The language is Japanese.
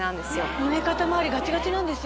胸肩まわりガチガチなんですよ